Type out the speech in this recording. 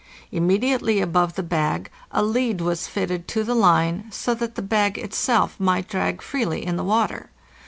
Immediately above the bag a lead was fitted to the line, so that the bag itself might drag freely in the water.